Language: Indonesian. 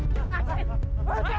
rasain tuh bom lada